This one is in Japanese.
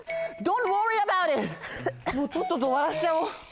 もうとっととおわらしちゃおう。